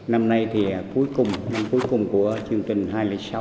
năm nay là năm cuối cùng của chương trình hai trăm linh sáu